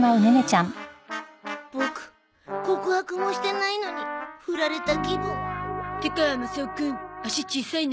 ボク告白もしてないのにふられた気分。ってかマサオくん足小さいね。